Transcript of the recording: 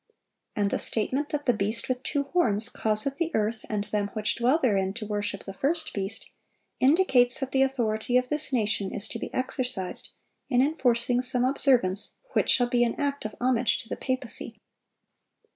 And the statement that the beast with two horns "causeth the earth and them which dwell therein to worship the first beast," indicates that the authority of this nation is to be exercised in enforcing some observance which shall be an act of homage to the papacy.